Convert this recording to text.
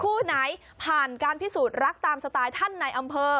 คู่ไหนผ่านการพิสูจน์รักตามสไตล์ท่านในอำเภอ